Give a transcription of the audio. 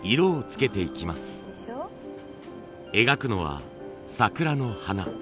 描くのは桜の花。